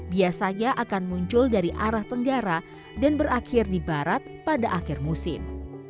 biasanya akan muncul dari arah tenggara dan berakhir di barat pada akhir musim